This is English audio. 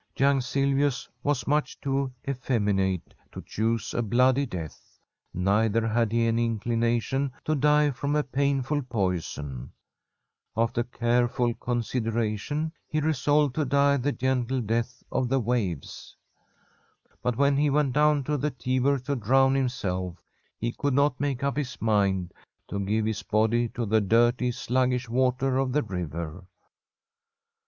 Young Silvius was much too effeminate to choose a bloody death. Neither had he any in clination to (lie from a painful poison. After care ful consideration, he resolved to die the gentle drnth of the waves. Hut when he went down to the Tiber to drown hlujuclf he couhl not make up his mind to give his ImmIv to the dirty, sluggish water of the river.